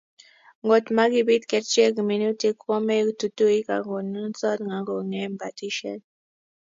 Ngot makibiit kerchek minutik kwomei tutuik akonunsot akongem batishet